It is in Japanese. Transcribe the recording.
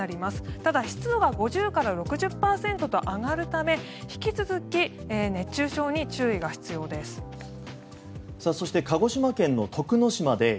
ただ、湿度が５０％から６０％と上がるため引き続き熱中症に注意が必要です。